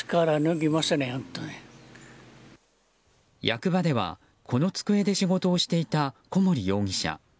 役場では、この机で仕事をしていた小守容疑者。